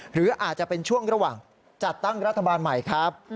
หรืออาจจะเป็นช่วงระหว่างจัดตั้งรัฐบาลใหม่ครับ